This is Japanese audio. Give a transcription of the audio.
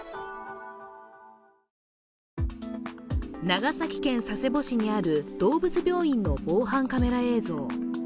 長崎県佐世保市にある動物病院の防犯カメラ映像。